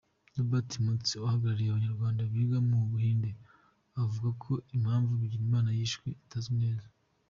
Robert Manzi uhagarariye Abanyarwanda biga mu Buhinde avuga ko impamvu Bigirimana yishwe itazwi neza.